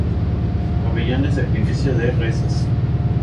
Pabellón de sacrificio de reses.